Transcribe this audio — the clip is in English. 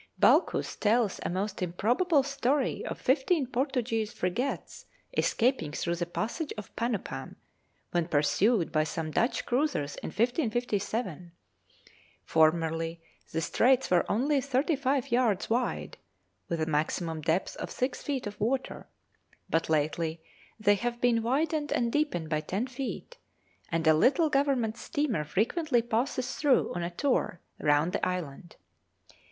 Balchus tells a most improbable story of fifteen Portuguese frigates escaping through the passage of Panupam, when pursued by some Dutch cruisers in 1557. Formerly the Straits were only thirty five yards wide, with a maximum depth of six feet of water, but lately they have been widened and deepened by ten feet, and a little Government steamer frequently passes through on a tour round the island.